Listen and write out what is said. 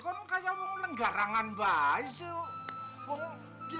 kan kaya mau nenggarangan baik sih